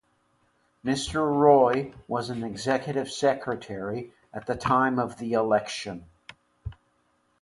Mr. Roy was an executive secretary at the time of the election.